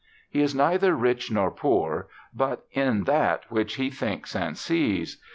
He is neither rich nor poor, but in that which he thinks and sees.